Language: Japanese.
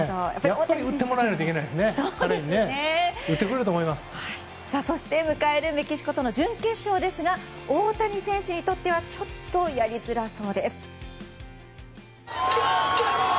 彼に打ってもらいたいけどそして迎えるメキシコとの準決勝ですが大谷選手にとってはちょっとやりづらそうなんです。